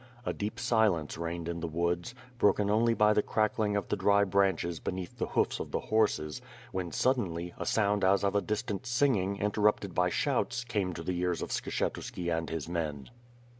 A deep silence reigned in the woods, broken only by the crackling of the dry branches beneath the hoofs of the horses, when, suddenly, a sound as of distant singing, interrupted by shouts, came to the ears of Skshetuski and his men.